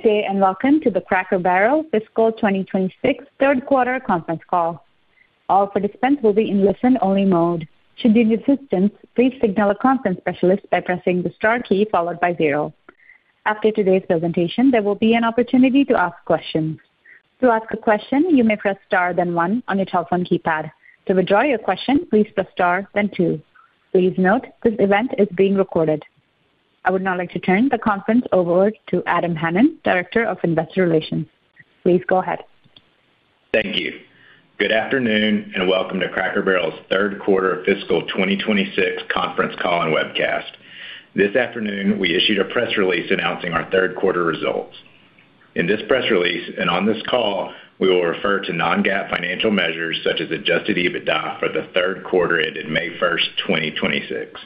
Good day, and welcome to the Cracker Barrel Fiscal 2026 third quarter conference call. All participants will be in listen-only mode. Should you need assistance, please signal a conference specialist by pressing the star key followed by zero. After today's presentation, there will be an opportunity to ask questions. To ask a question, you may press star then one on your telephone keypad. To withdraw your question, please press star then two. Please note, this event is being recorded. I would now like to turn the conference over to Adam Hanan, Director of Investor Relations. Please go ahead. Thank you. Good afternoon, and welcome to Cracker Barrel's third quarter fiscal 2026 conference call and webcast. This afternoon, we issued a press release announcing our third quarter results. In this press release and on this call, we will refer to non-GAAP financial measures such as adjusted EBITDA for the third quarter ended May 1st, 2026.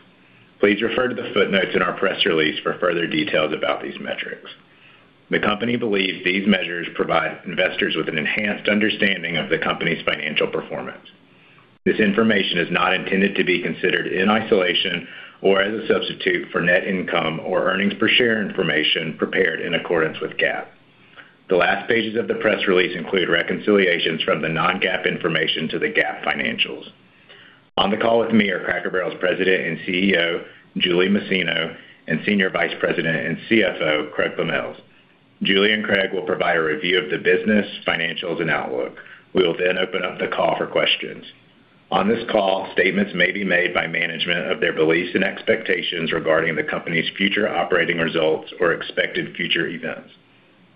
Please refer to the footnotes in our press release for further details about these metrics. The company believes these measures provide investors with an enhanced understanding of the company's financial performance. This information is not intended to be considered in isolation or as a substitute for net income or earnings per share information prepared in accordance with GAAP. The last pages of the press release include reconciliations from the non-GAAP information to the GAAP financials. On the call with me are Cracker Barrel's President and CEO, Julie Masino, and Senior Vice President and CFO, Craig Pommells. Julie and Craig will provide a review of the business, financials, and outlook. We will open up the call for questions. On this call, statements may be made by management of their beliefs and expectations regarding the company's future operating results or expected future events.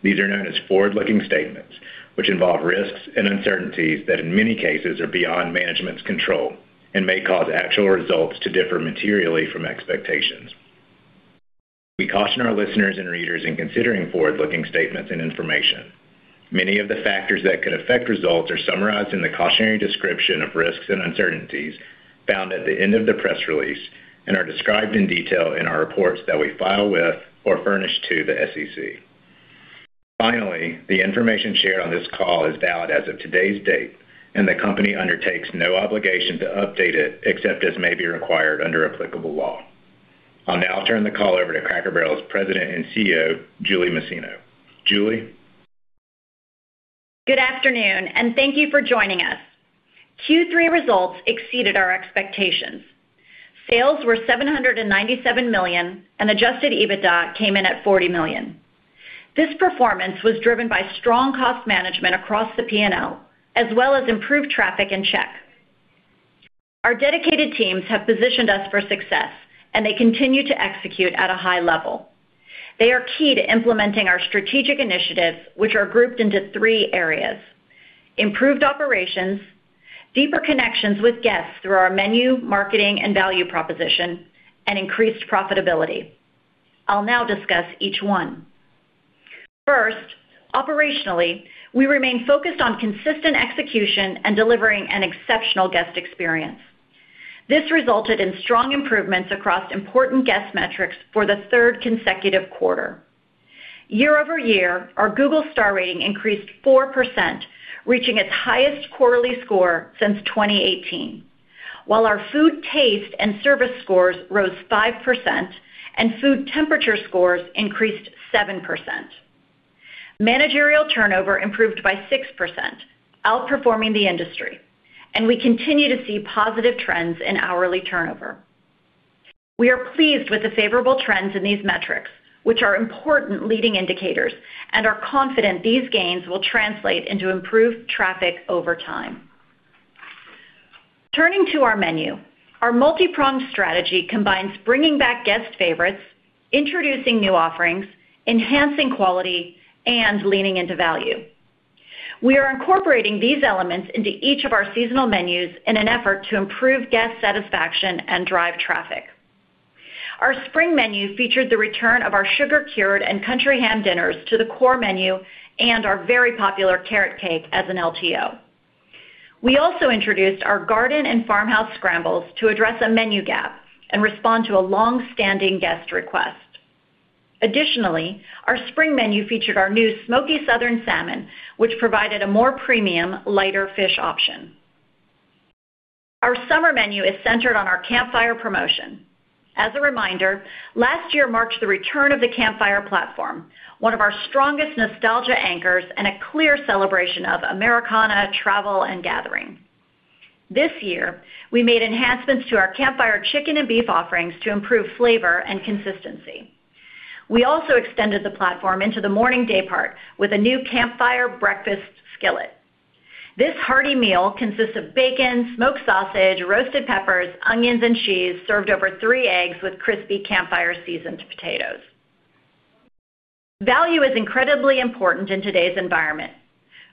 These are known as forward-looking statements, which involve risks and uncertainties that in many cases are beyond management's control and may cause actual results to differ materially from expectations. We caution our listeners and readers in considering forward-looking statements and information. Many of the factors that could affect results are summarized in the cautionary description of risks and uncertainties found at the end of the press release and are described in detail in our reports that we file with or furnish to the SEC. Finally, the information shared on this call is valid as of today's date, and the company undertakes no obligation to update it except as may be required under applicable law. I'll now turn the call over to Cracker Barrel's President and CEO, Julie Masino. Julie? Good afternoon, and thank you for joining us. Q3 results exceeded our expectations. Sales were $797 million, and adjusted EBITDA came in at $40 million. This performance was driven by strong cost management across the P&L, as well as improved traffic and check. Our dedicated teams have positioned us for success, and they continue to execute at a high level. They are key to implementing our strategic initiatives, which are grouped into three areas: improved operations, deeper connections with guests through our menu, marketing, and value proposition, and increased profitability. I'll now discuss each one. First, operationally, we remain focused on consistent execution and delivering an exceptional guest experience. This resulted in strong improvements across important guest metrics for the third consecutive quarter. Year-over-year, our Google star rating increased 4%, reaching its highest quarterly score since 2018. While our food taste and service scores rose 5%, and food temperature scores increased 7%. Managerial turnover improved by 6%, outperforming the industry, and we continue to see positive trends in hourly turnover. We are pleased with the favorable trends in these metrics, which are important leading indicators and are confident these gains will translate into improved traffic over time. Turning to our menu, our multi-pronged strategy combines bringing back guest favorites, introducing new offerings, enhancing quality, and leaning into value. We are incorporating these elements into each of our seasonal menus in an effort to improve guest satisfaction and drive traffic. Our Spring Menu featured the return of our sugar-cured and country ham dinners to the core menu and our very popular carrot cake as an LTO. We also introduced our Garden and Farmhouse Scrambles to address a menu gap and respond to a long-standing guest request. Additionally, our Spring Menu featured our new Smoky Southern Salmon, which provided a more premium, lighter fish option. Our Summer Menu is centered on our Campfire promotion. As a reminder, last year marked the return of the Campfire platform, one of our strongest nostalgia anchors and a clear celebration of Americana travel and gathering. This year, we made enhancements to our Campfire chicken and beef offerings to improve flavor and consistency. We also extended the platform into the morning daypart with a new Campfire breakfast skillet. This hearty meal consists of bacon, smoked sausage, roasted peppers, onions, and cheese served over three eggs with crispy Campfire seasoned potatoes. Value is incredibly important in today's environment.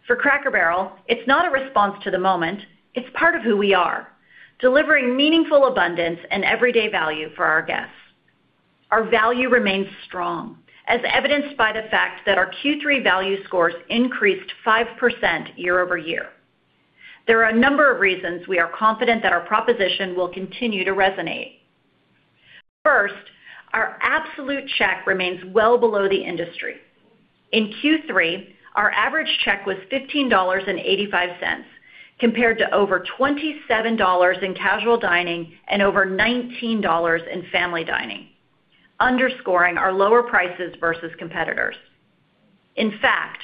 For Cracker Barrel, it's not a response to the moment, it's part of who we are, delivering meaningful abundance and everyday value for our guests. Our value remains strong, as evidenced by the fact that our Q3 value scores increased 5% year-over-year. There are a number of reasons we are confident that our proposition will continue to resonate. First, our absolute check remains well below the industry. In Q3, our average check was $15.85. Compared to over $27 in casual dining and over $19 in family dining, underscoring our lower prices versus competitors. In fact,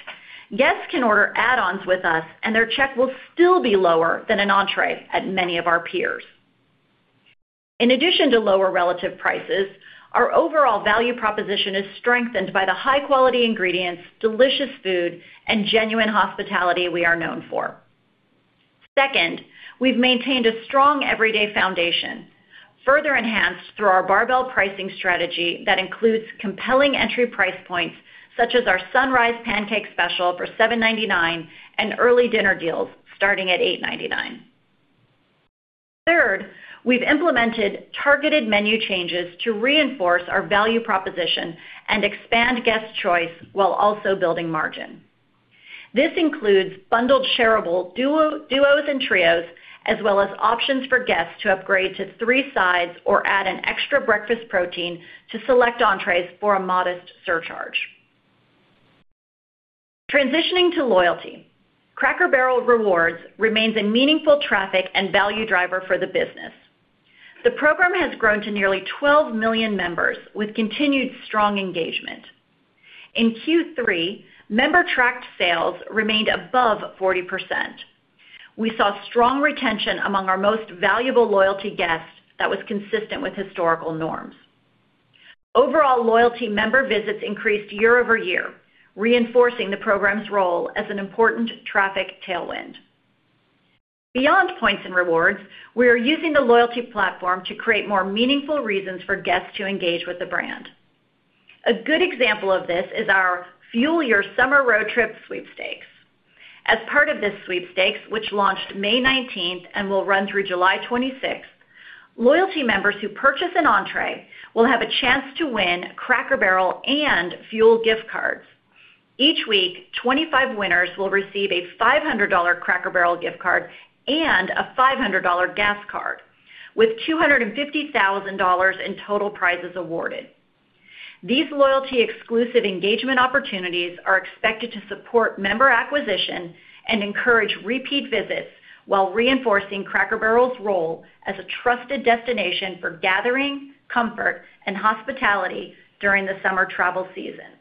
guests can order add-ons with us, and their check will still be lower than an entrée at many of our peers. In addition to lower relative prices, our overall value proposition is strengthened by the high-quality ingredients, delicious food, and genuine hospitality we are known for. Second, we've maintained a strong everyday foundation, further enhanced through our barbell pricing strategy that includes compelling entry price points, such as our Sunrise Pancake Special for $7.99 and early dinner deals starting at $8.99. Third, we've implemented targeted menu changes to reinforce our value proposition and expand guest choice while also building margin. This includes bundled shareable duos and trios, as well as options for guests to upgrade to three sides or add an extra breakfast protein to select entrées for a modest surcharge. Transitioning to loyalty, Cracker Barrel Rewards remains a meaningful traffic and value driver for the business. The program has grown to nearly 12 million members with continued strong engagement. In Q3, member-tracked sales remained above 40%. We saw strong retention among our most valuable loyalty guests that was consistent with historical norms. Overall loyalty member visits increased year-over-year, reinforcing the program's role as an important traffic tailwind. Beyond points and rewards, we are using the loyalty platform to create more meaningful reasons for guests to engage with the brand. A good example of this is our Fuel Your Summer Road Trip Sweepstakes. As part of this sweepstakes, which launched May 19th and will run through July 26th, loyalty members who purchase an entrée will have a chance to win Cracker Barrel and fuel gift cards. Each week, 25 winners will receive a $500 Cracker Barrel gift card and a $500 gas card, with $250,000 in total prizes awarded. These loyalty-exclusive engagement opportunities are expected to support member acquisition and encourage repeat visits while reinforcing Cracker Barrel's role as a trusted destination for gathering, comfort, and hospitality during the summer travel season.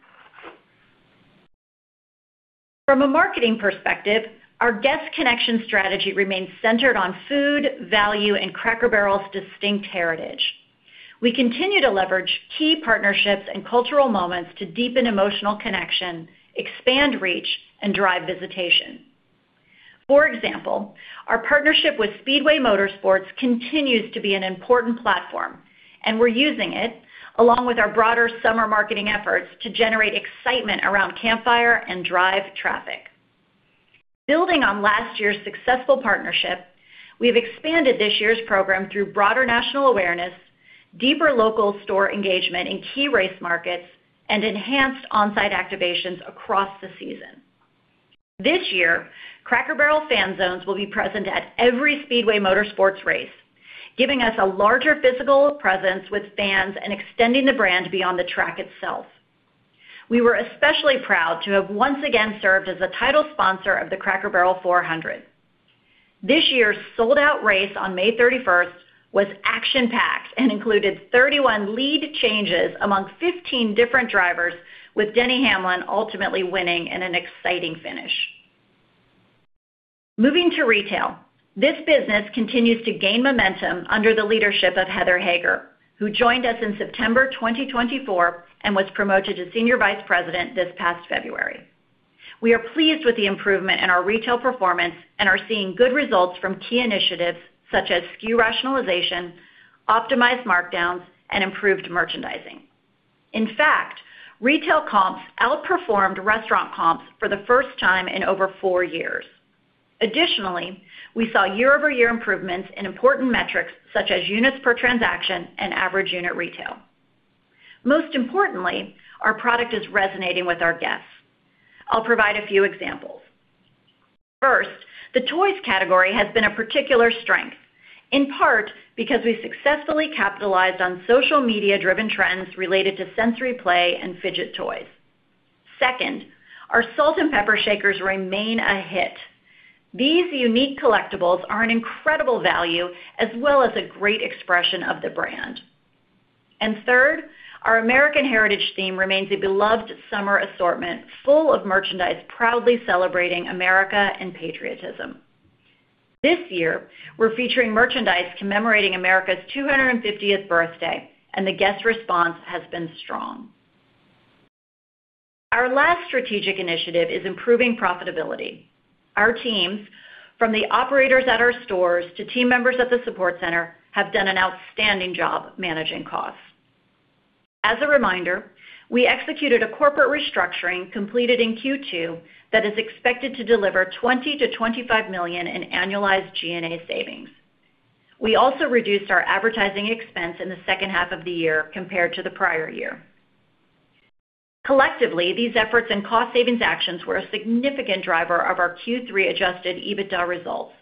From a marketing perspective, our guest connection strategy remains centered on food, value, and Cracker Barrel's distinct heritage. We continue to leverage key partnerships and cultural moments to deepen emotional connection, expand reach, and drive visitation. For example, our partnership with Speedway Motorsports continues to be an important platform, and we're using it, along with our broader summer marketing efforts, to generate excitement around Campfire and drive traffic. Building on last year's successful partnership, we've expanded this year's program through broader national awareness, deeper local store engagement in key race markets, and enhanced on-site activations across the season. This year, Cracker Barrel fan zones will be present at every Speedway Motorsports race, giving us a larger physical presence with fans and extending the brand beyond the track itself. We were especially proud to have once again served as the title sponsor of the Cracker Barrel 400. This year's sold-out race on May 31st was action-packed and included 31 lead changes among 15 different drivers, with Denny Hamlin ultimately winning in an exciting finish. Moving to retail. This business continues to gain momentum under the leadership of Heather Hager, who joined us in September 2024 and was promoted to Senior Vice President this past February. We are pleased with the improvement in our retail performance and are seeing good results from key initiatives such as SKU rationalization, optimized markdowns, and improved merchandising. In fact, retail comps outperformed restaurant comps for the first time in over four years. Additionally, we saw year-over-year improvements in important metrics such as units per transaction and average unit retail. Most importantly, our product is resonating with our guests. I'll provide a few examples. First, the toys category has been a particular strength, in part because we successfully capitalized on social media-driven trends related to sensory play and fidget toys. Second, our salt and pepper shakers remain a hit. These unique collectibles are an incredible value, as well as a great expression of the brand. Third, our American Heritage theme remains a beloved summer assortment full of merchandise proudly celebrating America and patriotism. This year, we're featuring merchandise commemorating America's 250th birthday, and the guest response has been strong. Our last strategic initiative is improving profitability. Our teams, from the operators at our stores to team members at the support center, have done an outstanding job managing costs. As a reminder, we executed a corporate restructuring completed in Q2 that is expected to deliver $20 million-$25 million in annualized G&A savings. We also reduced our advertising expense in the second half of the year compared to the prior year. Collectively, these efforts and cost savings actions were a significant driver of our Q3 adjusted EBITDA results.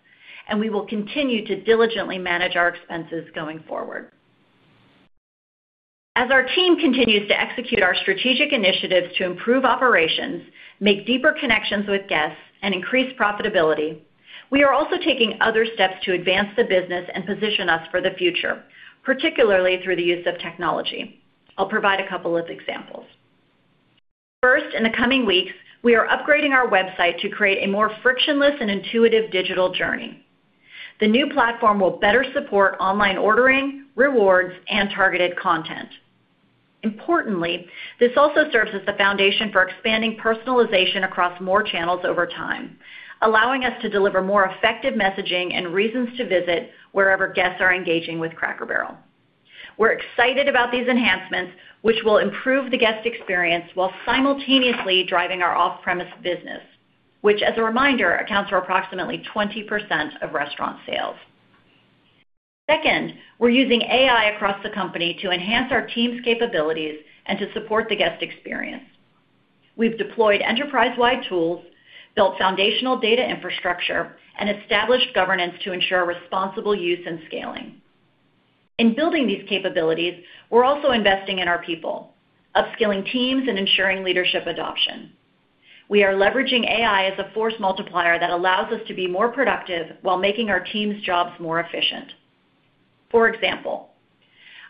We will continue to diligently manage our expenses going forward. As our team continues to execute our strategic initiatives to improve operations, make deeper connections with guests, and increase profitability, we are also taking other steps to advance the business and position us for the future, particularly through the use of technology. I'll provide a couple of examples. First, in the coming weeks, we are upgrading our website to create a more frictionless and intuitive digital journey. The new platform will better support online ordering, rewards, and targeted content. Importantly, this also serves as the foundation for expanding personalization across more channels over time, allowing us to deliver more effective messaging and reasons to visit wherever guests are engaging with Cracker Barrel. We're excited about these enhancements, which will improve the guest experience while simultaneously driving our off-premise business, which, as a reminder, accounts for approximately 20% of restaurant sales. Second, we're using AI across the company to enhance our team's capabilities and to support the guest experience. We've deployed enterprise-wide tools, built foundational data infrastructure, and established governance to ensure responsible use and scaling. In building these capabilities, we're also investing in our people, upskilling teams, and ensuring leadership adoption. We are leveraging AI as a force multiplier that allows us to be more productive while making our team's jobs more efficient. For example,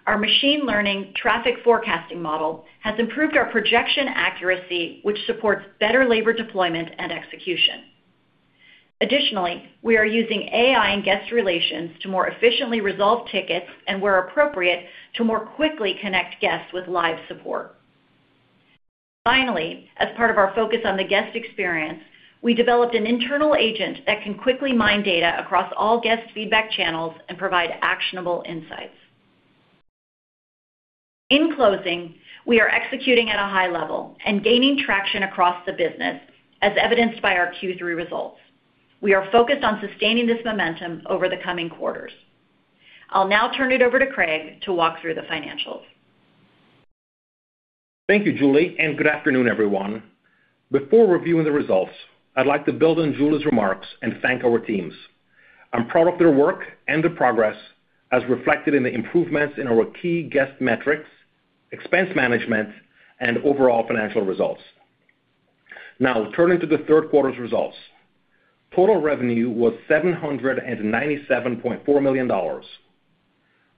our machine learning traffic forecasting model has improved our projection accuracy, which supports better labor deployment and execution. Additionally, we are using AI and guest relations to more efficiently resolve tickets, and where appropriate, to more quickly connect guests with live support. Finally, as part of our focus on the guest experience, we developed an internal agent that can quickly mine data across all guest feedback channels and provide actionable insights. In closing, we are executing at a high level and gaining traction across the business, as evidenced by our Q3 results. We are focused on sustaining this momentum over the coming quarters. I'll now turn it over to Craig to walk through the financials. Thank you, Julie, and good afternoon, everyone. Before reviewing the results, I'd like to build on Julie's remarks and thank our teams. I'm proud of their work and the progress as reflected in the improvements in our key guest metrics, expense management, and overall financial results. Turning to the third quarter's results. Total revenue was $797.4 million.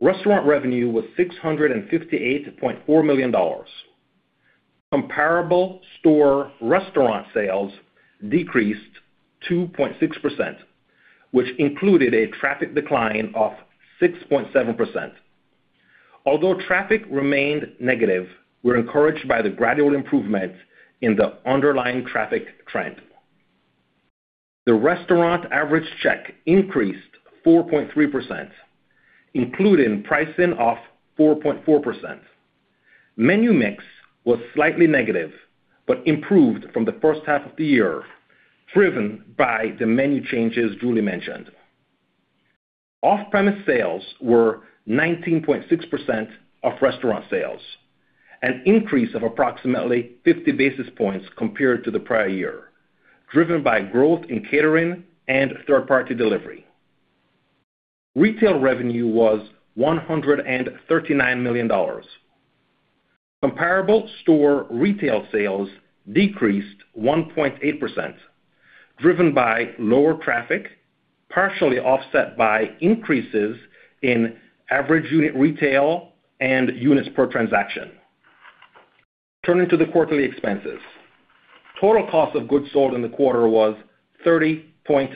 Restaurant revenue was $658.4 million. Comparable store restaurant sales decreased 2.6%, which included a traffic decline of 6.7%. Although traffic remained negative, we're encouraged by the gradual improvements in the underlying traffic trend. The restaurant average check increased 4.3%, including pricing of 4.4%. Menu mix was slightly negative, but improved from the first half of the year, driven by the menu changes Julie mentioned. Off-premise sales were 19.6% of restaurant sales, an increase of approximately 50 basis points compared to the prior year, driven by growth in catering and third-party delivery. Retail revenue was $139 million. Comparable store retail sales decreased 1.8%, driven by lower traffic, partially offset by increases in average unit retail and units per transaction. Turning to the quarterly expenses. Total cost of goods sold in the quarter was 30.2%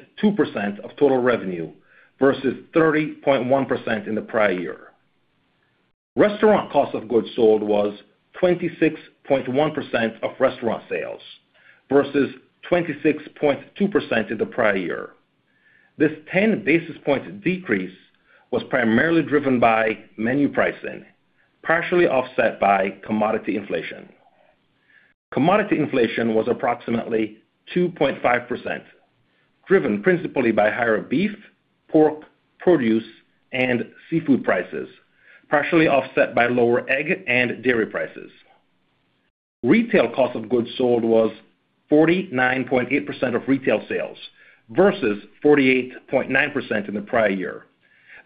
of total revenue versus 30.1% in the prior year. Restaurant cost of goods sold was 26.1% of restaurant sales versus 26.2% in the prior year. This 10 basis points decrease was primarily driven by menu pricing, partially offset by commodity inflation. Commodity inflation was approximately 2.5%, driven principally by higher beef, pork, produce, and seafood prices, partially offset by lower egg and dairy prices. Retail cost of goods sold was 49.8% of retail sales versus 48.9% in the prior year.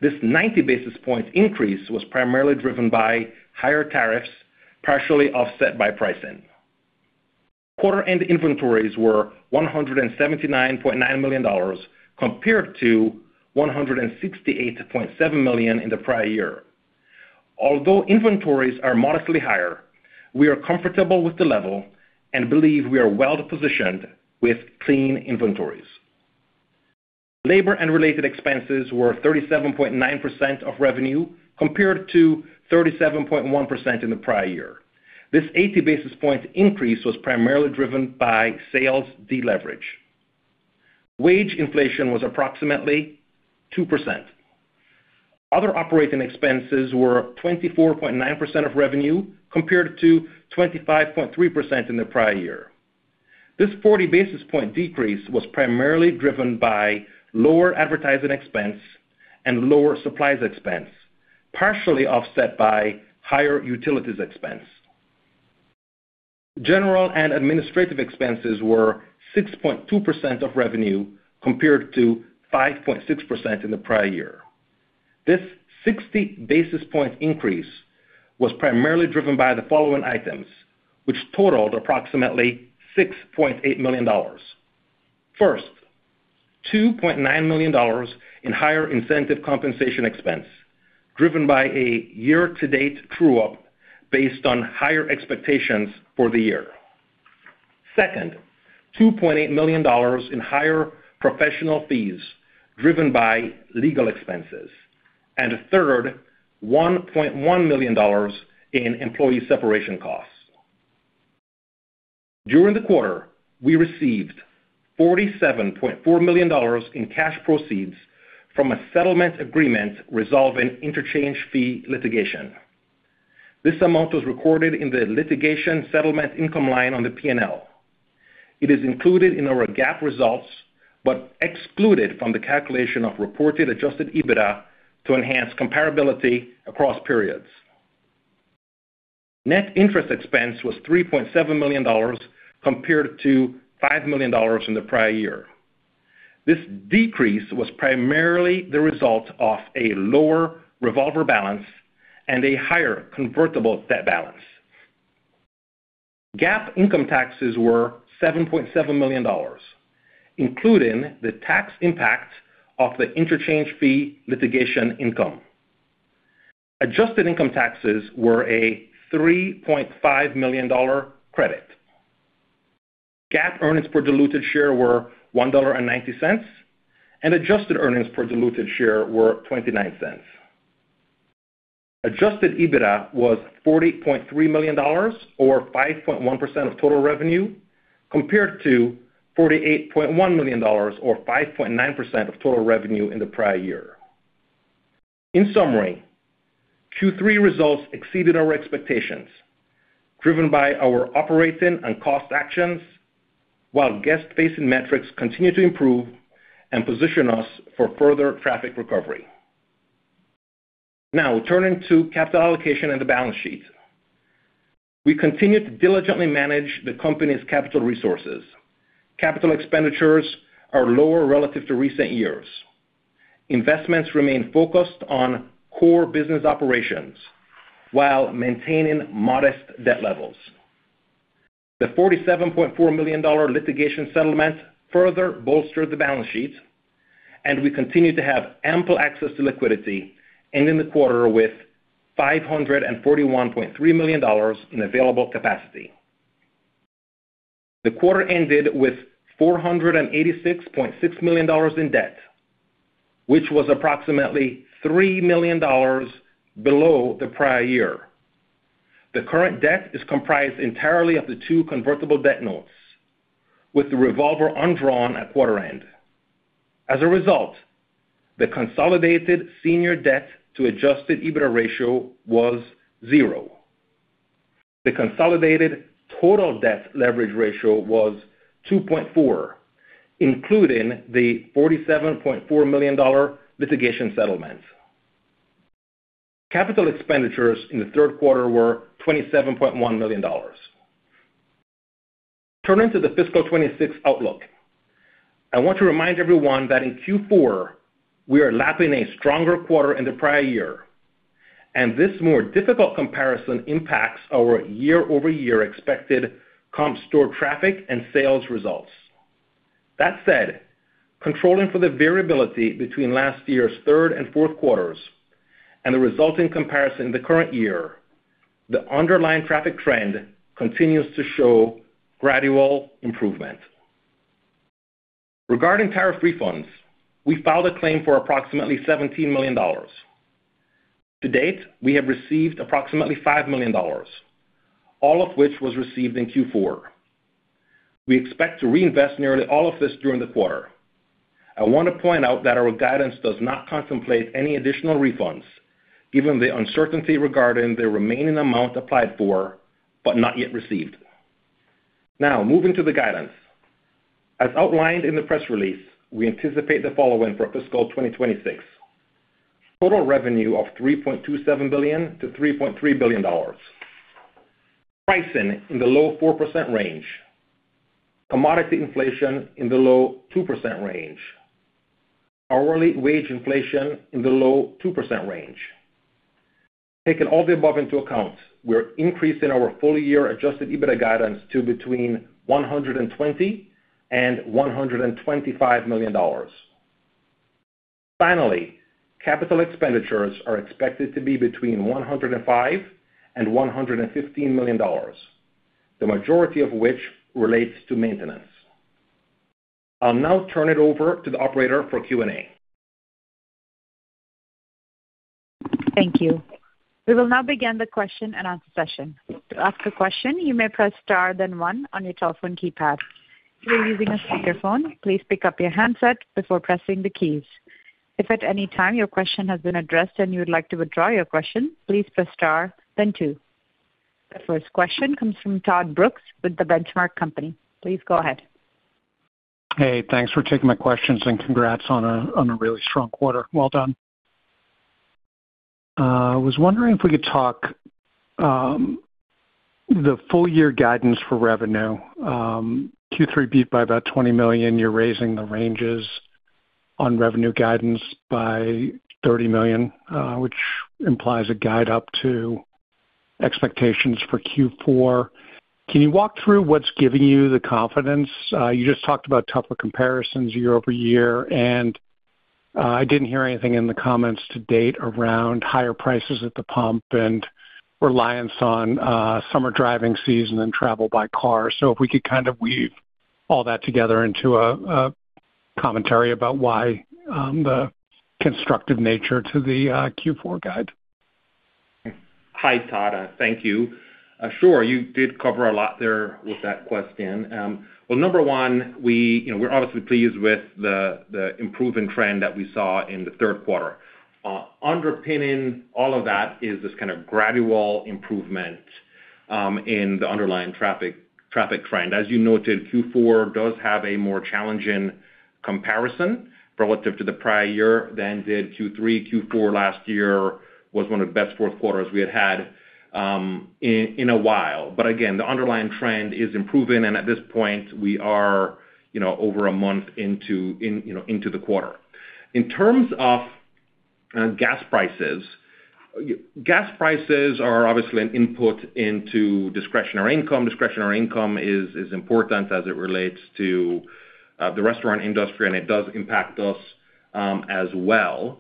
This 90 basis point increase was primarily driven by higher tariffs, partially offset by pricing. Quarter end inventories were $179.9 million compared to $168.7 million in the prior year. Although inventories are modestly higher, we are comfortable with the level and believe we are well-positioned with clean inventories. Labor and related expenses were 37.9% of revenue compared to 37.1% in the prior year. This 80 basis point increase was primarily driven by sales deleverage. Wage inflation was approximately 2%. Other operating expenses were 24.9% of revenue, compared to 25.3% in the prior year. This 40 basis point decrease was primarily driven by lower advertising expense and lower supplies expense, partially offset by higher utilities expense. General and administrative expenses were 6.2% of revenue, compared to 5.6% in the prior year. This 60 basis point increase was primarily driven by the following items, which totaled approximately $6.8 million. First, $2.9 million in higher incentive compensation expense, driven by a year-to-date true-up based on higher expectations for the year. Second, $2.8 million in higher professional fees driven by legal expenses. Third, $1.1 million in employee separation costs. During the quarter, we received $47.4 million in cash proceeds from a settlement agreement resolving interchange fee litigation. This amount was recorded in the litigation settlement income line on the P&L. It is included in our GAAP results, but excluded from the calculation of reported adjusted EBITDA to enhance comparability across periods. Net interest expense was $3.7 million compared to $5 million in the prior year. This decrease was primarily the result of a lower revolver balance and a higher convertible debt balance. GAAP income taxes were $7.7 million, including the tax impact of the interchange fee litigation income. Adjusted income taxes were a $3.5 million credit. GAAP earnings per diluted share were $1.90, adjusted earnings per diluted share were $0.29. Adjusted EBITDA was $40.3 million or 5.1% of total revenue, compared to $48.1 million or 5.9% of total revenue in the prior year. In summary, Q3 results exceeded our expectations, driven by our operating and cost actions, while guest-facing metrics continue to improve and position us for further traffic recovery. Turning to capital allocation and the balance sheet. We continue to diligently manage the company's capital resources. Capital expenditures are lower relative to recent years. Investments remain focused on core business operations while maintaining modest debt levels. The $47.4 million litigation settlement further bolstered the balance sheet, and we continue to have ample access to liquidity, ending the quarter with $541.3 million in available capacity. The quarter ended with $486.6 million in debt, which was approximately $3 million below the prior year. The current debt is comprised entirely of the two convertible debt notes, with the revolver undrawn at quarter end. As a result, the consolidated senior debt to adjusted EBITDA ratio was zero. The consolidated total debt leverage ratio was 2.4, including the $47.4 million litigation settlement. Capital expenditures in the third quarter were $27.1 million. Turning to the fiscal 2026 outlook. I want to remind everyone that in Q4, we are lapping a stronger quarter in the prior year, and this more difficult comparison impacts our year-over-year expected comp store traffic and sales results. That said, controlling for the variability between last year's third and fourth quarters and the resulting comparison in the current year, the underlying traffic trend continues to show gradual improvement. Regarding tariff refunds, we filed a claim for approximately $17 million. To date, we have received approximately $5 million, all of which was received in Q4. We expect to reinvest nearly all of this during the quarter. I want to point out that our guidance does not contemplate any additional refunds, given the uncertainty regarding the remaining amount applied for but not yet received. Moving to the guidance. As outlined in the press release, we anticipate the following for fiscal 2026. Total revenue of $3.27 billion to $3.3 billion. Pricing in the low 4% range. Commodity inflation in the low 2% range. Hourly wage inflation in the low 2% range. Taking all the above into account, we're increasing our full year adjusted EBITDA guidance to between $120 million and $125 million. Finally, capital expenditures are expected to be between $105 million and $115 million, the majority of which relates to maintenance. I'll now turn it over to the operator for Q&A. Thank you. We will now begin the question and answer session. To ask a question, you may press star, then one on your telephone keypad. If you are using a speakerphone, please pick up your handset before pressing the keys. If at any time your question has been addressed and you would like to withdraw your question, please press star then two. The first question comes from Todd Brooks with The Benchmark Company. Please go ahead. Hey, thanks for taking my questions and congrats on a really strong quarter. Well done. I was wondering if we could talk the full year guidance for revenue. Q3 beat by about $20 million. You're raising the ranges on revenue guidance by $30 million, which implies a guide up to expectations for Q4. Can you walk through what's giving you the confidence? You just talked about tougher comparisons year-over-year, and I didn't hear anything in the comments to date around higher prices at the pump and reliance on summer driving season and travel by car. If we could kind of weave all that together into a commentary about why the constructive nature to the Q4 guide. Hi, Todd. Thank you. Sure. You did cover a lot there with that question. Number one, we're obviously pleased with the improving trend that we saw in the third quarter. Underpinning all of that is this kind of gradual improvement in the underlying traffic trend. As you noted, Q4 does have a more challenging comparison relative to the prior year than did Q3. Q4 last year was one of the best fourth quarters we had in a while. Again, the underlying trend is improving, and at this point, we are over a month into the quarter. In terms of gas prices, gas prices are obviously an input into discretionary income. Discretionary income is important as it relates to the restaurant industry, and it does impact us as well.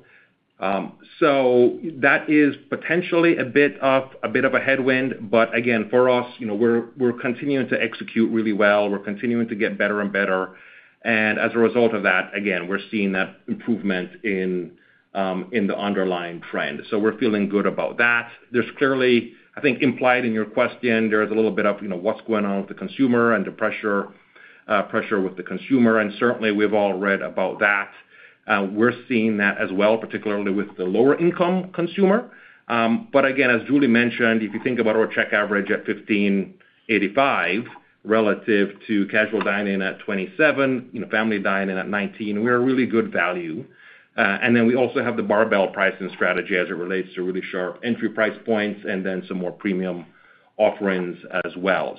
That is potentially a bit of a headwind, but again, for us, we're continuing to execute really well. We're continuing to get better and better. As a result of that, again, we're seeing that improvement in the underlying trend. We're feeling good about that. There's clearly, I think, implied in your question, there's a little bit of what's going on with the consumer and the pressure with the consumer, and certainly we've all read about that. We're seeing that as well, particularly with the lower income consumer. Again, as Julie mentioned, if you think about our check average at $15.85 relative to casual dining at $27, family dining at $19, we're a really good value. We also have the barbell pricing strategy as it relates to really sharp entry price points and then some more premium offerings as well.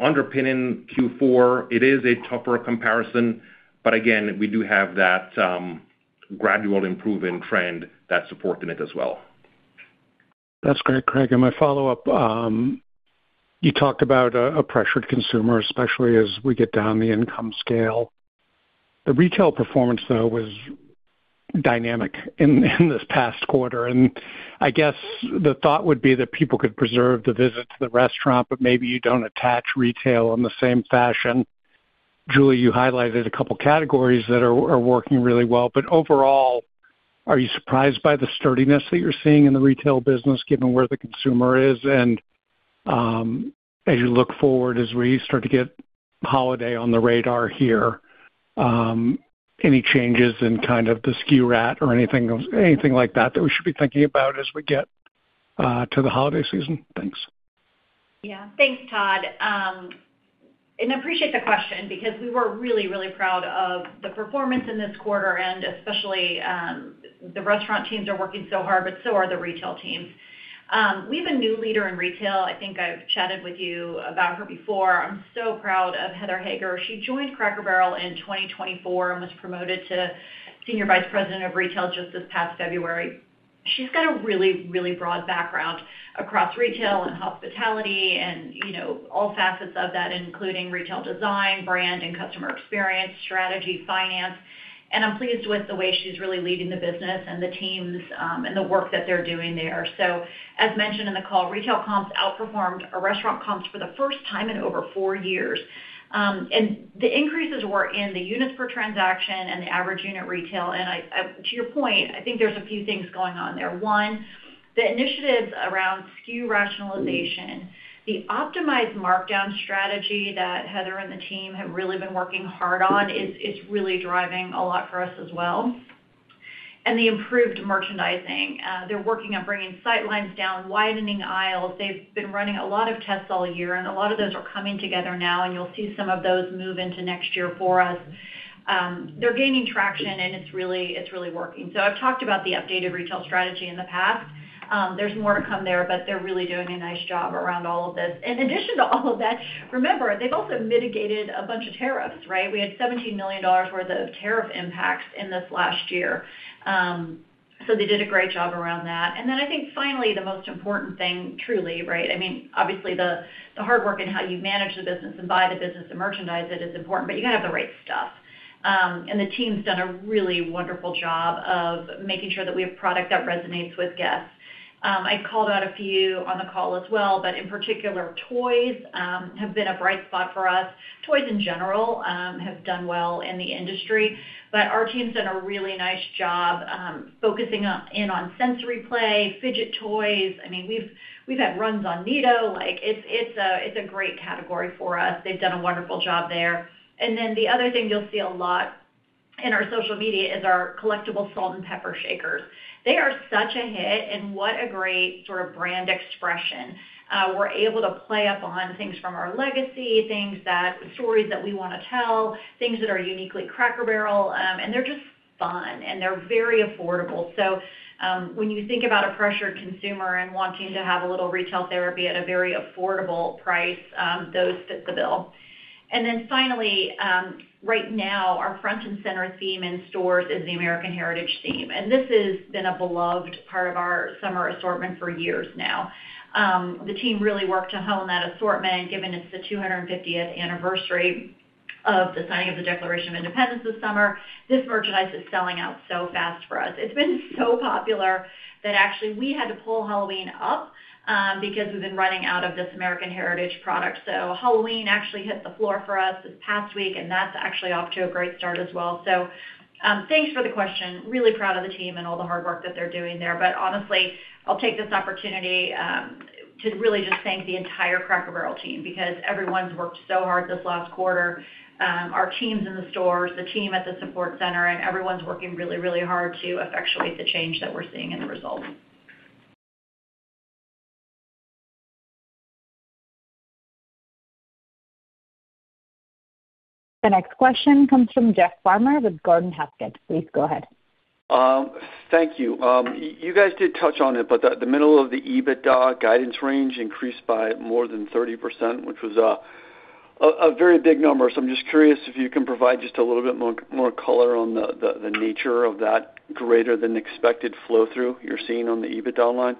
Underpinning Q4, it is a tougher comparison, but again, we do have that gradual improving trend that's supporting it as well. That's great, Craig. My follow-up, you talked about a pressured consumer, especially as we get down the income scale. The retail performance, though, was dynamic in this past quarter, and I guess the thought would be that people could preserve the visit to the restaurant, but maybe you don't attach retail in the same fashion. Julie, you highlighted a couple categories that are working really well, but overall, are you surprised by the sturdiness that you're seeing in the retail business, given where the consumer is and as you look forward, as we start to get holiday on the radar here, any changes in kind of the SKU rat or anything like that that we should be thinking about as we get to the holiday season? Thanks. Appreciate the question because we were really, really proud of the performance in this quarter, especially the restaurant teams are working so hard, but so are the retail teams. We have a new leader in retail. I think I've chatted with you about her before. I'm so proud of Heather Hager. She joined Cracker Barrel in 2024 and was promoted to Senior Vice President of Retail just this past February. She's got a really broad background across retail and hospitality and all facets of that, including retail design, brand and customer experience, strategy, finance. I'm pleased with the way she's really leading the business and the teams, and the work that they're doing there. As mentioned in the call, retail comps outperformed our restaurant comps for the first time in over four years. The increases were in the units per transaction and the average unit retail. To your point, I think there's a few things going on there. One, the initiatives around SKU rationalization. The optimized markdown strategy that Heather and the team have really been working hard on is really driving a lot for us as well. The improved merchandising. They're working on bringing sight lines down, widening aisles. They've been running a lot of tests all year, and a lot of those are coming together now, and you'll see some of those move into next year for us. They're gaining traction, and it's really working. I've talked about the updated retail strategy in the past. There's more to come there, but they're really doing a nice job around all of this. In addition to all of that, remember, they've also mitigated a bunch of tariffs, right? We had $17 million worth of tariff impacts in this last year. They did a great job around that. I think finally, the most important thing, truly, right, obviously the hard work in how you manage the business and buy the business and merchandise it is important, but you got to have the right stuff. The team's done a really wonderful job of making sure that we have product that resonates with guests. I called out a few on the call as well, but in particular, toys have been a bright spot for us. Toys in general have done well in the industry, but our team's done a really nice job focusing in on sensory play, fidget toys. We've had runs on NeeDoh. It's a great category for us. They've done a wonderful job there. The other thing you'll see a lot in our social media is our collectible salt and pepper shakers. They are such a hit, and what a great sort of brand expression. We're able to play up on things from our legacy, stories that we want to tell, things that are uniquely Cracker Barrel. And they're just fun, and they're very affordable. When you think about a pressured consumer and wanting to have a little retail therapy at a very affordable price, those fit the bill. Finally, right now our front and center theme in stores is the American Heritage theme, and this has been a beloved part of our summer assortment for years now. The team really worked to hone that assortment, given it's the 250th anniversary of the signing of the Declaration of Independence this summer. This merchandise is selling out so fast for us. It's been so popular that actually we had to pull Halloween up because we've been running out of this American Heritage product. Halloween actually hit the floor for us this past week, and that's actually off to a great start as well. Thanks for the question. Really proud of the team and all the hard work that they're doing there. Honestly, I'll take this opportunity to really just thank the entire Cracker Barrel team because everyone's worked so hard this last quarter. Our teams in the stores, the team at the support center, and everyone's working really hard to effectuate the change that we're seeing in the results. The next question comes from Jeff Farmer with Gordon Haskett. Please go ahead. Thank you. You guys did touch on it, the middle of the EBITDA guidance range increased by more than 30%, which was a very big number. I'm just curious if you can provide just a little bit more color on the nature of that greater than expected flow-through you're seeing on the EBITDA line.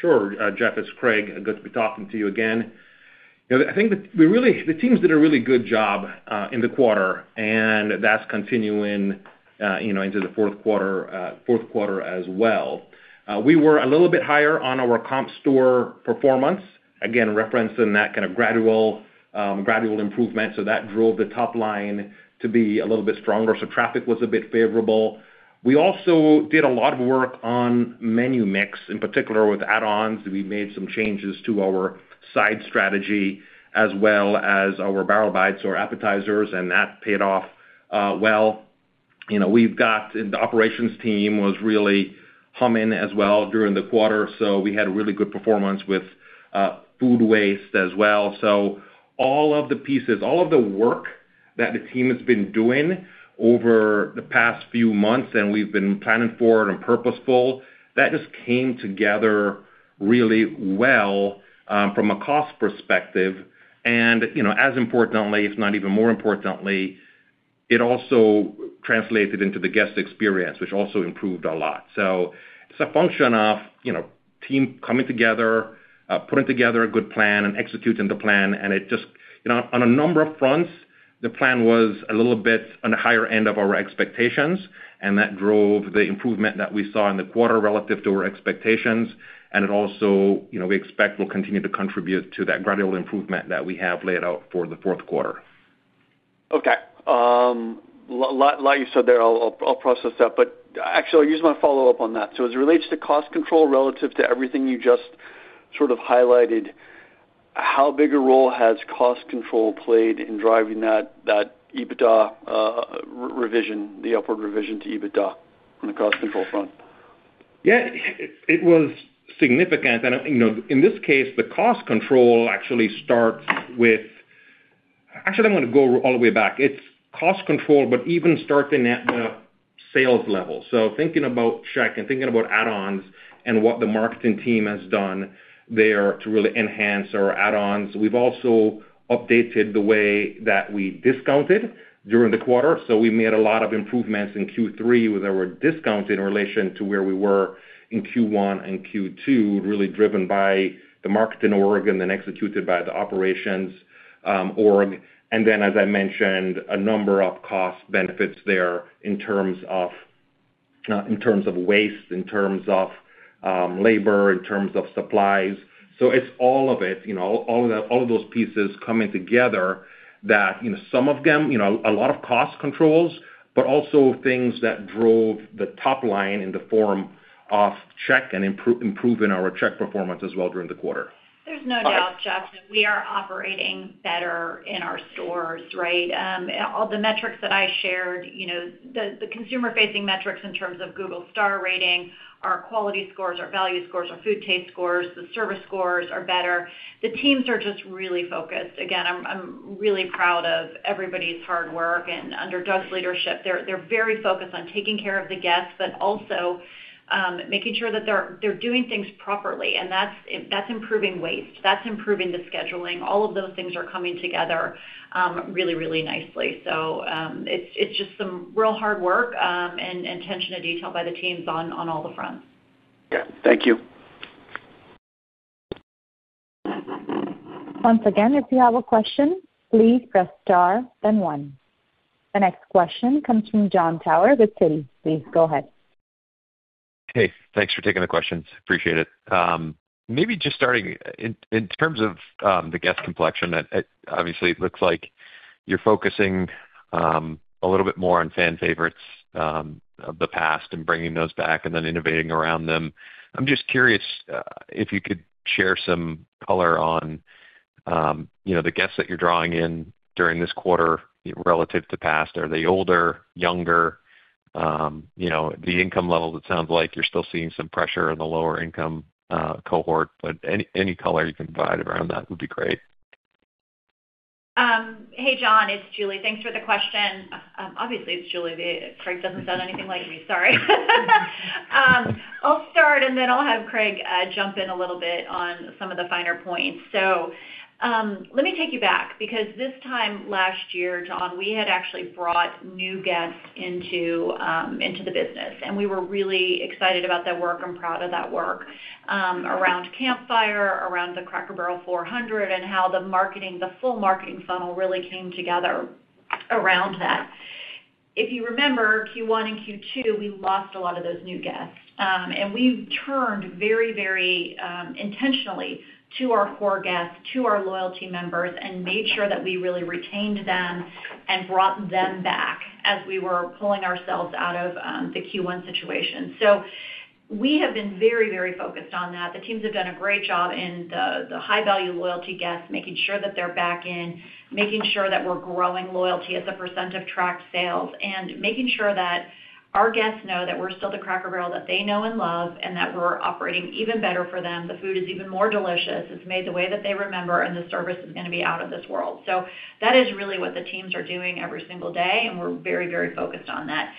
Sure. Jeff, it's Craig. Good to be talking to you again. I think the teams did a really good job in the quarter, and that's continuing into the fourth quarter as well. We were a little bit higher on our comp store performance. Again, referencing that kind of gradual improvement. That drove the top line to be a little bit stronger. Traffic was a bit favorable. We also did a lot of work on menu mix, in particular with add-ons. We made some changes to our side strategy as well as our Barrel Bites or appetizers, and that paid off well. The operations team was really humming as well during the quarter, we had really good performance with food waste as well. All of the pieces, all of the work that the team has been doing over the past few months, and we've been planning for and purposeful, that just came together really well from a cost perspective. As importantly, if not even more importantly, it also translated into the guest experience, which also improved a lot. It's a function of team coming together, putting together a good plan and executing the plan. On a number of fronts, the plan was a little bit on the higher end of our expectations, and that drove the improvement that we saw in the quarter relative to our expectations. It also, we expect, will continue to contribute to that gradual improvement that we have laid out for the fourth quarter. Okay. Like you said there, I'll process that, but actually I'll use my follow-up on that. As it relates to cost control relative to everything you just sort of highlighted, how big a role has cost control played in driving that EBITDA revision, the upward revision to EBITDA on the cost control front? Yeah. It was significant. In this case, the cost control actually starts with. Actually, I'm going to go all the way back. It's cost control, but even starting at the sales level. Thinking about check and thinking about add-ons and what the marketing team has done there to really enhance our add-ons. We've also updated the way that we discounted during the quarter. We made a lot of improvements in Q3 where there were discounts in relation to where we were in Q1 and Q2, really driven by the marketing org and then executed by the operations org. Then, as I mentioned, a number of cost benefits there in terms of waste, in terms of labor, in terms of supplies. It's all of it, all of those pieces coming together that some of them, a lot of cost controls, but also things that drove the top line in the form of check and improving our check performance as well during the quarter. There's no doubt, Jeff, that we are operating better in our stores, right? All the metrics that I shared, the consumer-facing metrics in terms of Google star rating, our quality scores, our value scores, our food taste scores, the service scores are better. The teams are just really focused. Again, I'm really proud of everybody's hard work. And under Doug's leadership, they're very focused on taking care of the guests, but also making sure that they're doing things properly and that's improving waste, that's improving the scheduling. All of those things are coming together really nicely. It's just some real hard work and attention to detail by the teams on all the fronts. Yeah. Thank you. Once again, if you have a question, please press star then one. The next question comes from Jon Tower with Citi. Please go ahead. Hey, thanks for taking the questions. Appreciate it. Maybe just starting in terms of the guest complexion, obviously it looks like you're focusing a little bit more on fan favorites of the past and bringing those back and then innovating around them. I'm just curious if you could share some color on the guests that you're drawing in during this quarter relative to past. Are they older, younger? The income level, it sounds like you're still seeing some pressure in the lower income cohort, any color you can provide around that would be great. Hey, Jon, it's Julie. Thanks for the question. Obviously, it's Julie. Craig doesn't sound anything like me. Sorry. I'll start, and then I'll have Craig jump in a little bit on some of the finer points. Let me take you back, because this time last year, Jon, we had actually brought new guests into the business, and we were really excited about that work and proud of that work around Campfire, around the Cracker Barrel 400, and how the full marketing funnel really came together around that. If you remember Q1 and Q2, we lost a lot of those new guests. We've turned very intentionally to our core guests, to our loyalty members, and made sure that we really retained them and brought them back as we were pulling ourselves out of the Q1 situation. We have been very focused on that. The teams have done a great job in the high-value loyalty guests, making sure that they're back in, making sure that we're growing loyalty as a percent of tracked sales, making sure that our guests know that we're still the Cracker Barrel that they know and love, that we're operating even better for them. The food is even more delicious. It's made the way that they remember, the service is going to be out of this world. That is really what the teams are doing every single day, and we're very focused on that.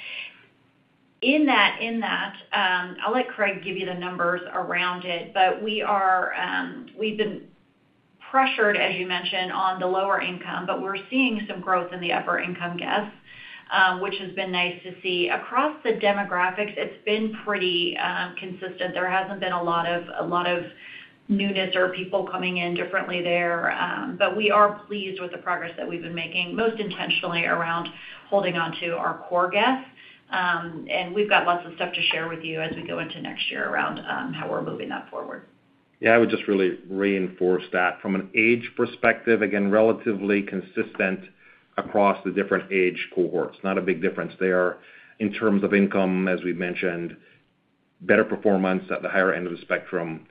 In that, I'll let Craig give you the numbers around it, we've been pressured, as you mentioned, on the lower income, we're seeing some growth in the upper-income guests, which has been nice to see. Across the demographics, it's been pretty consistent. There hasn't been a lot of newness or people coming in differently there. We are pleased with the progress that we've been making, most intentionally around holding onto our core guests. We've got lots of stuff to share with you as we go into next year around how we're moving that forward. Yeah. I would just really reinforce that. From an age perspective, again, relatively consistent across the different age cohorts. Not a big difference there. In terms of income, as we mentioned, better performance at the higher end of the spectrum,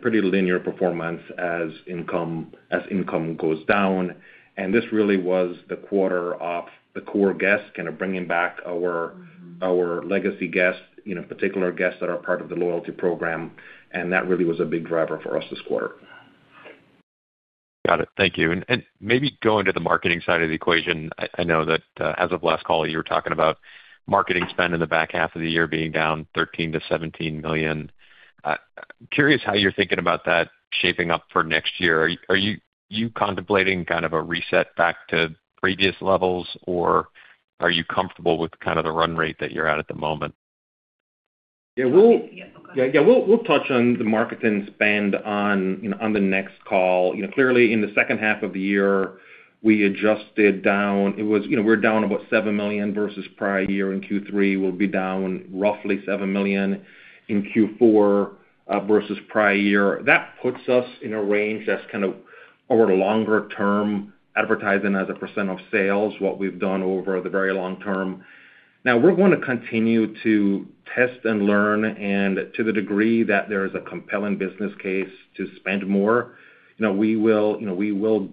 pretty linear performance as income goes down. This really was the quarter of the core guests, kind of bringing back our legacy guests, particular guests that are part of the loyalty program, that really was a big driver for us this quarter. Got it. Thank you. Maybe going to the marketing side of the equation, I know that as of last call, you were talking about marketing spend in the back half of the year being down $13 million-$17 million. Curious how you're thinking about that shaping up for next year. Are you contemplating kind of a reset back to previous levels, or are you comfortable with the run rate that you're at at the moment? Yeah. Go ahead. Yeah. We'll touch on the marketing spend on the next call. Clearly, in the second half of the year, we adjusted down. We're down about $7 million versus prior year in Q3. We'll be down roughly $7 million in Q4 versus prior year. That puts us in a range that's kind of over the longer term advertising as a percent of sales, what we've done over the very long term. We're going to continue to test and learn, and to the degree that there is a compelling business case to spend more, we will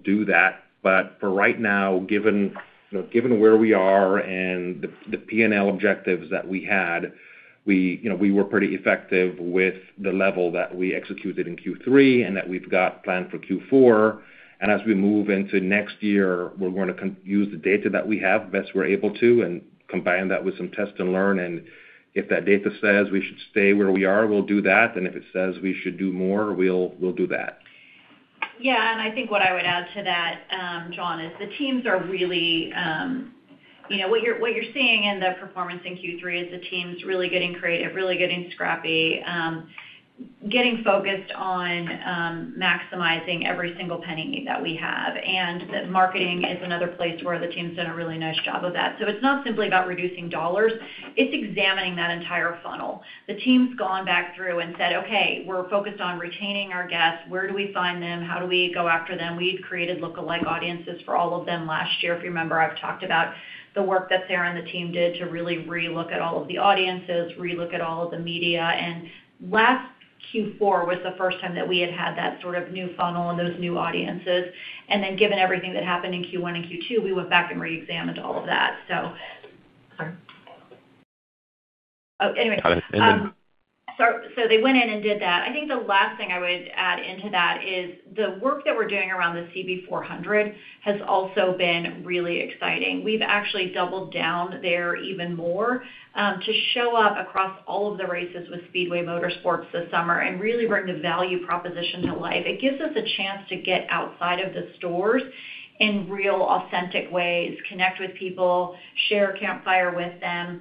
do that. For right now, given where we are and the P&L objectives that we had, we were pretty effective with the level that we executed in Q3 and that we've got planned for Q4. As we move into next year, we're going to use the data that we have best we're able to and combine that with some test and learn. If that data says we should stay where we are, we'll do that. If it says we should do more, we'll do that. Yeah. I think what I would add to that, Jon, is what you're seeing in the performance in Q3 is the teams really getting creative, really getting scrappy, getting focused on maximizing every single penny that we have. The marketing is another place where the team's done a really nice job of that. It's not simply about reducing dollars, it's examining that entire funnel. The team's gone back through and said, "Okay, we're focused on retaining our guests. Where do we find them? How do we go after them?" We've created lookalike audiences for all of them last year. If you remember, I've talked about the work that Sarah and the team did to really relook at all of the audiences, relook at all of the media. Last Q4 was the first time that we had had that sort of new funnel and those new audiences. Given everything that happened in Q1 and Q2, we went back and reexamined all of that. Anyway. Got it. They went in and did that. I think the last thing I would add into that is the work that we're doing around the CB 400 has also been really exciting. We've actually doubled down there even more to show up across all of the races with Speedway Motorsports this summer and really bring the value proposition to life. It gives us a chance to get outside of the stores in real authentic ways, connect with people, share Campfire with them.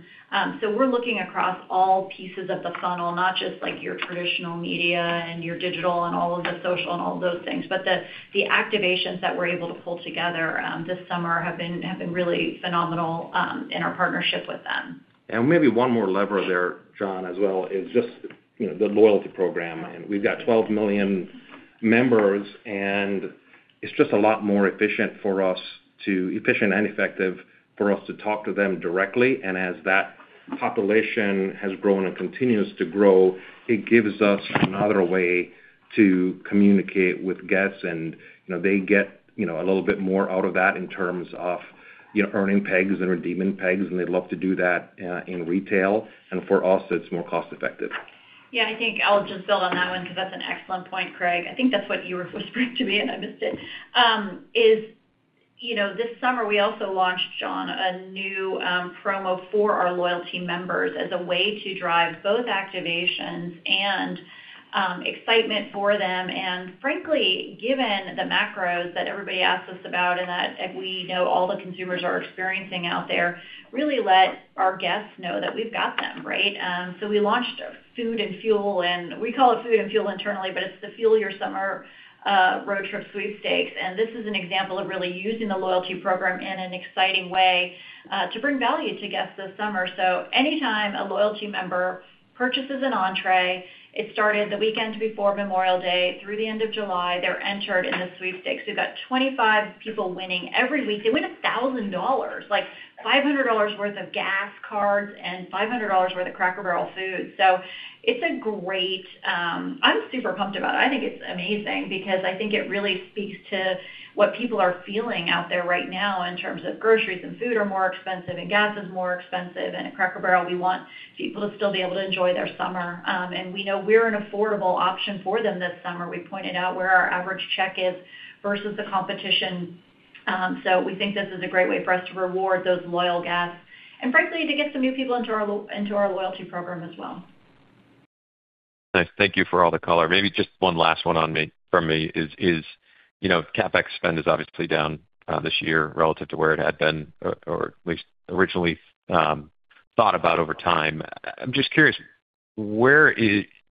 We're looking across all pieces of the funnel, not just your traditional media and your digital and all of the social and all of those things, but the activations that we're able to pull together this summer have been really phenomenal in our partnership with them. Maybe one more lever there, Jon, as well, is just the loyalty program. We've got 12 million members, and it's just a lot more efficient and effective for us to talk to them directly. As that population has grown and continues to grow, it gives us another way to communicate with guests, and they get a little bit more out of that in terms of earning pegs and redeeming pegs, and they love to do that in retail. For us, it's more cost-effective. I think I'll just build on that one because that's an excellent point, Craig. I think that's what you were whispering to me, and I missed it. This summer we also launched, Jon, a new promo for our loyalty members as a way to drive both activations and excitement for them, and frankly, given the macros that everybody asks us about and that we know all the consumers are experiencing out there, really let our guests know that we've got them. We launched Food and Fuel. We call it Food and Fuel internally, but it's the Fuel Your Summer Road Trip Sweepstakes. This is an example of really using the loyalty program in an exciting way to bring value to guests this summer. Anytime a loyalty member purchases an entrée, it started the weekend before Memorial Day through the end of July, they're entered in the sweepstakes. We've got 25 people winning every week. They win $1,000, like $500 worth of gas cards and $500 worth of Cracker Barrel food. It's great. I'm super pumped about it. I think it's amazing because I think it really speaks to what people are feeling out there right now in terms of groceries and food are more expensive, and gas is more expensive. At Cracker Barrel, we want people to still be able to enjoy their summer. We know we're an affordable option for them this summer. We pointed out where our average check is versus the competition. We think this is a great way for us to reward those loyal guests and frankly, to get some new people into our loyalty program as well. Nice. Thank you for all the color. Maybe just one last one from me is, CapEx spend is obviously down this year relative to where it had been, or at least originally thought about over time. I'm just curious, where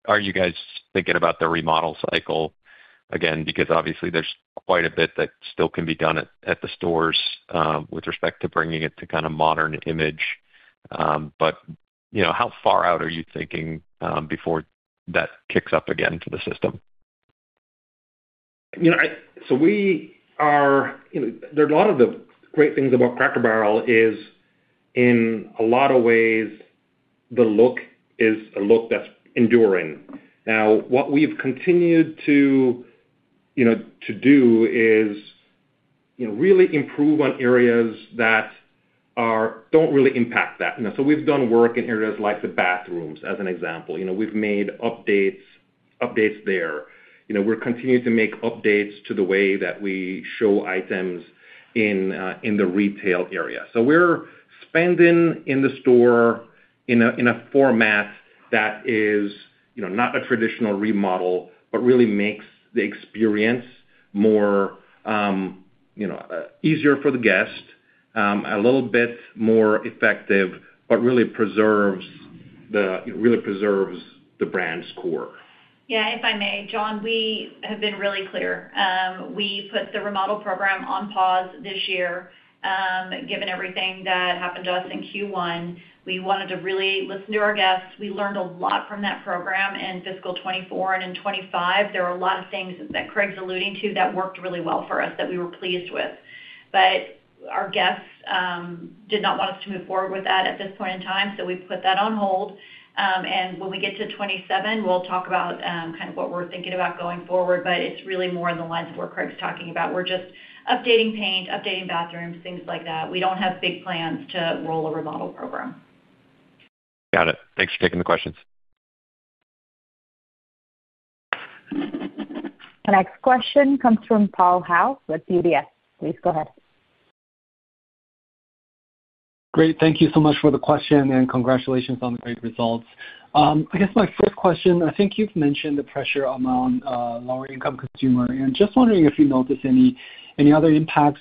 are you guys thinking about the remodel cycle? Because obviously there's quite a bit that still can be done at the stores with respect to bringing it to kind of modern image. How far out are you thinking before that kicks up again to the system? A lot of the great things about Cracker Barrel is in a lot of ways, the look is a look that's enduring. What we've continued to do is really improve on areas that don't really impact that. We've done work in areas like the bathrooms, as an example. We've made updates there. We're continuing to make updates to the way that we show items in the retail area. We're spending in the store in a format that is not a traditional remodel, but really makes the experience easier for the guest, a little bit more effective, but really preserves the brand's core. Yeah. If I may, Jon, we have been really clear. We put the remodel program on pause this year. Given everything that happened to us in Q1, we wanted to really listen to our guests. We learned a lot from that program in fiscal 2024 and in 2025. There were a lot of things that Craig's alluding to that worked really well for us that we were pleased with. Our guests did not want us to move forward with that at this point in time, so we put that on hold. When we get to 2027, we'll talk about what we're thinking about going forward, but it's really more in the lines of what Craig's talking about. We're just updating paint, updating bathrooms, things like that. We don't have big plans to roll a remodel program. Got it. Thanks for taking the questions. Next question comes from Paul Hao with UBS. Please go ahead. Great. Thank you so much for the question. Congratulations on the great results. I guess my first question, I think you've mentioned the pressure among lower income consumer. Just wondering if you notice any other impacts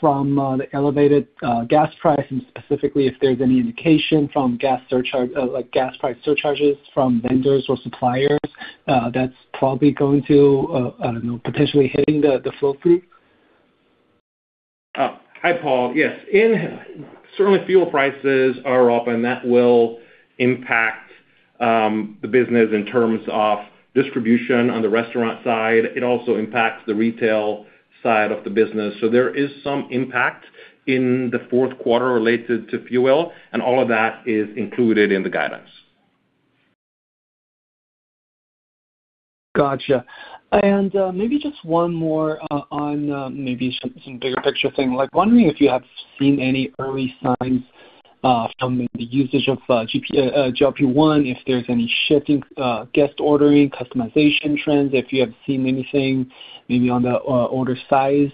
from the elevated gas price, specifically if there's any indication from gas price surcharges from vendors or suppliers that's probably going to, I don't know, potentially hitting the flow through. Hi, Paul. Yes. Certainly, fuel prices are up. That will impact the business in terms of distribution on the restaurant side. It also impacts the retail side of the business. There is some impact in the fourth quarter related to fuel. All of that is included in the guidance. Got you. Maybe just one more on maybe some bigger picture thing. Wondering if you have seen any early signs from maybe the usage of GLP-1, if there's any shifting guest ordering, customization trends, if you have seen anything maybe on the order size.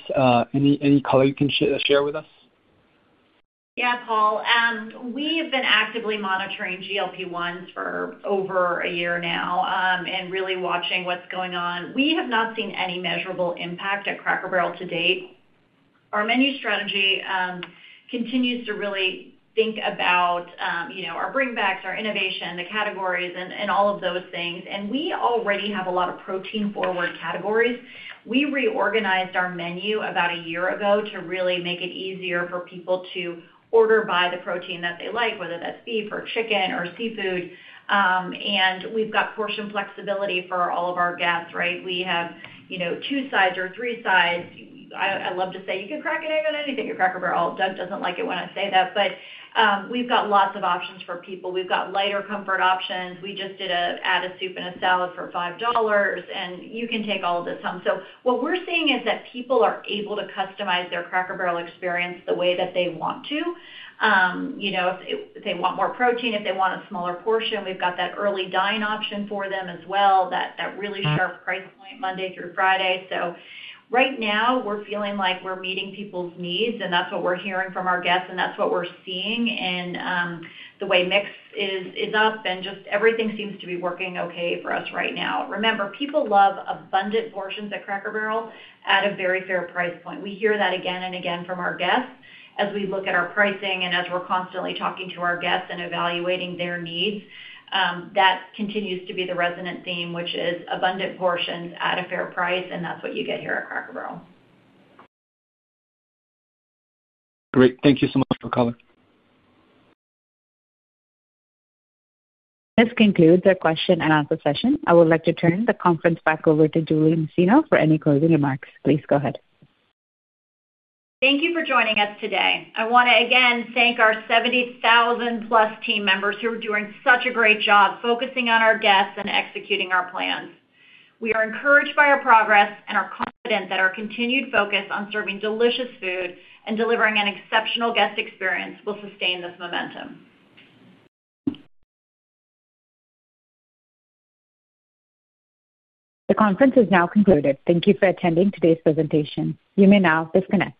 Any color you can share with us? Yeah, Paul. We have been actively monitoring GLP-1s for over a year now and really watching what's going on. We have not seen any measurable impact at Cracker Barrel to date. Our menu strategy continues to really think about our bring backs, our innovation, the categories, all of those things. We already have a lot of protein-forward categories. We reorganized our menu about a year ago to really make it easier for people to order by the protein that they like, whether that's beef or chicken or seafood. We've got portion flexibility for all of our guests. We have two sides or three sides. I love to say you can crack an egg on anything at Cracker Barrel. Doug doesn't like it when I say that, but we've got lots of options for people. We've got lighter comfort options. We just did add a soup and a salad for $5. You can take all of this home. What we're seeing is that people are able to customize their Cracker Barrel experience the way that they want to. If they want more protein, if they want a smaller portion, we've got that early dine option for them as well, that really sharp price point Monday through Friday. Right now we're feeling like we're meeting people's needs, and that's what we're hearing from our guests, and that's what we're seeing in the way mix is up, and just everything seems to be working okay for us right now. Remember, people love abundant portions at Cracker Barrel at a very fair price point. We hear that again and again from our guests as we look at our pricing and as we're constantly talking to our guests and evaluating their needs. That continues to be the resonant theme, which is abundant portions at a fair price. That's what you get here at Cracker Barrel. Great. Thank you so much for the color. This concludes the question and answer session. I would like to turn the conference back over to Julie Masino for any closing remarks. Please go ahead. Thank you for joining us today. I want to again thank our 70,000+ team members who are doing such a great job focusing on our guests and executing our plans. We are encouraged by our progress and are confident that our continued focus on serving delicious food and delivering an exceptional guest experience will sustain this momentum. The conference is now concluded. Thank you for attending today's presentation. You may now disconnect.